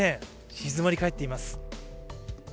静まりかえっています。